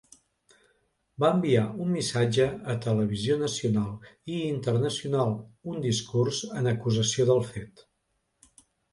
Va enviar un missatge a televisió nacional i internacional, un discurs en acusació del fet.